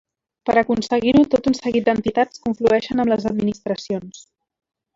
Per aconseguir-ho, tot un seguit d’entitats conflueixen amb les administracions.